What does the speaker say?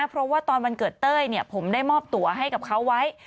เพราะว่าตอนวันเกิดเต้ยผมได้มอบตัวให้กับเขาไว้